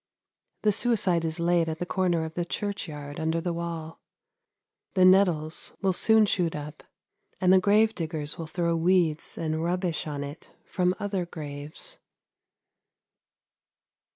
The suicide is laid in the corner of the churchyard under the wall. The nettles will soon shoot up, and the grave diggers will throw weeds and rubbish on it from other graves."